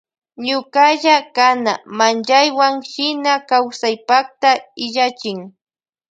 Ñukalla kana manllaywan shina kawsaypakta illachin.